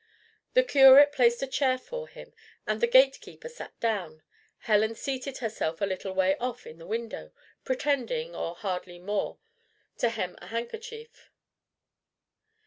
The curate placed a chair for him, and the gate keeper sat down. Helen seated herself a little way off in the window, pretending, or hardly more, to hem a handkerchief.